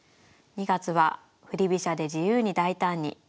２月は「振り飛車で自由に大胆に」。